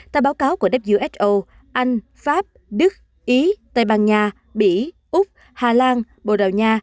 tại báo cáo của who anh pháp đức ý tây ban nha bỉ úc hà lan bồ đào nha